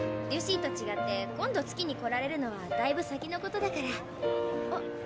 リュシーとちがって今度月に来られるのはだいぶ先のことだから。